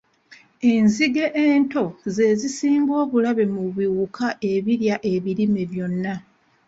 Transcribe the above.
Enzige ento ze zisinga obulabe mu biwuka ebirya ebirime byonna.